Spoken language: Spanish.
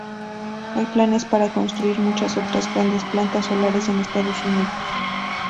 Hay planes para construir muchas otras grandes plantas solares en Estados Unidos.